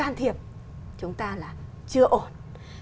can thiệp chúng ta là chưa ổn